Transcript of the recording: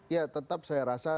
ya tetap saya rasa